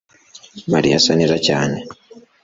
Mariya asa neza cyane